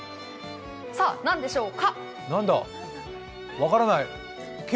さあ、何でしょうか。